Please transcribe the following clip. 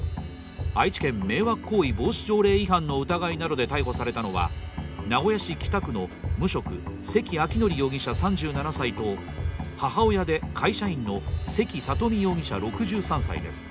愛知県迷惑行為防止条例違反の疑いなどで逮捕されたのは名古屋市北区の無職、関明範容疑者３７歳と母親で会社員の関佐登美容疑者６３歳です。